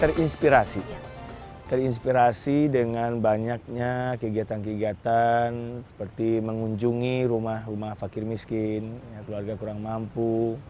terinspirasi terinspirasi dengan banyaknya kegiatan kegiatan seperti mengunjungi rumah rumah fakir miskin keluarga kurang mampu